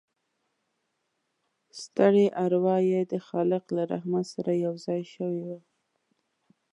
ستړې اروا يې د خالق له رحمت سره یوځای شوې وه